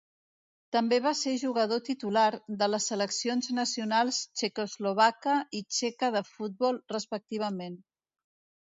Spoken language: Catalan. També va ser jugador titular de les seleccions nacionals txecoslovaca i txeca de futbol, respectivament.